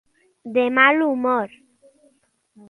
De mal humor.